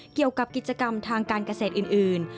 เกี่ยวกับกิจกรรมทางการเกษตรอื่น